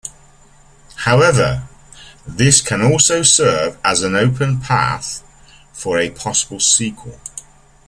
However, this can also serve as an open path for a possible sequel.